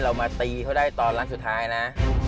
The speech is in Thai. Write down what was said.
เรามาตีเขาได้ตอนหลังสุดท้ายนะ